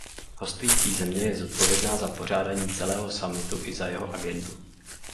Hostující země je zodpovědná za pořádání celého summitu i za jeho agendu.